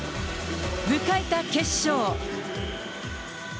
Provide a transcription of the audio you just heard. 迎えた決勝。